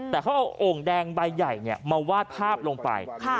แต่เขาเอาโอ่งแดงใบใหญ่มาวาดภาพลงไป